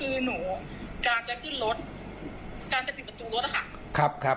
คือหนูการจะขึ้นรถการจะปิดประตูรถอะค่ะครับ